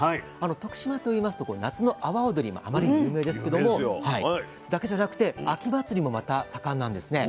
徳島といいますと夏の阿波おどりあまりに有名ですけどもだけじゃなくて秋祭りもまた盛んなんですね。